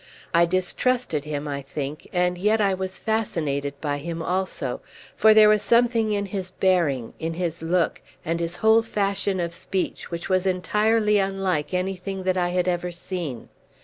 I distrusted him, I think, and yet I was fascinated by him also; for there was something in his bearing, in his look, and his whole fashion of speech which was entirely unlike anything that I had ever seen.